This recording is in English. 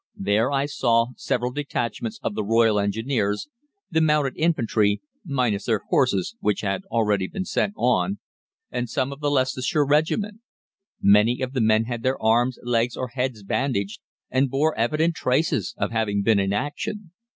There I saw several detachments of the Royal Engineers, the Mounted Infantry minus their horses, which had been already sent on and some of the Leicestershire Regiment. Many of the men had their arms, legs, or heads bandaged, and bore evident traces of having been in action.